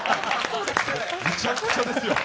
むちゃくちゃですよ。